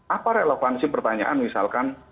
apa relevansi pertanyaan misalkan